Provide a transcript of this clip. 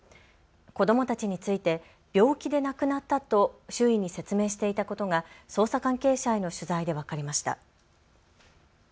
子どもたちについて病気で亡くなったと周囲に説明していたことが捜査関係者への取材で分かりました。